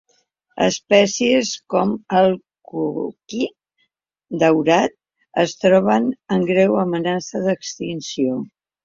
Espècies com el coquí daurat es troben en greu amenaça d'extinció.